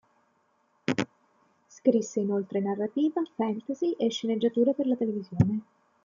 Scrisse inoltre narrativa fantasy e sceneggiature per la televisione.